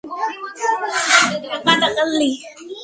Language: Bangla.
তেল ছড়িয়ে ছিটিয়ে থাকলে একটু পরিষ্কার করে দিস।